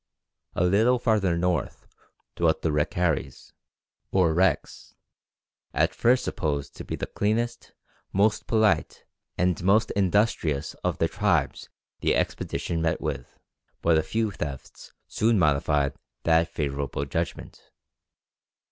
A little farther north dwelt the Ricaris, or Recs, at first supposed to be the cleanest, most polite, and most industrious of the tribes the expedition met with; but a few thefts soon modified that favourable judgment.